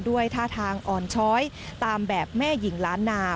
ด้วยท่าทางอ่อนช้อยตามแบบแม่หญิงล้านนา